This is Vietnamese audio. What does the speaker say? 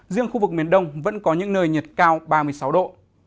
riêng khu vực miền đông vẫn có những nơi nhiệt cao ba mươi sáu độ